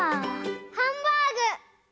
ハンバーグ！